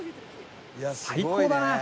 最高だな。